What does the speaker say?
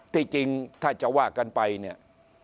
จริงถ้าจะว่ากันไปเนี่ย